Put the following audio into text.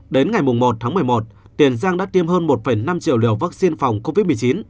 đến ngày một tháng một mươi một tiền giang đã tiêm hơn một năm triệu liều vaccine phòng covid một mươi chín